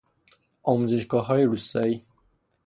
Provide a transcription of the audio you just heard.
آموزشگاههای روستایی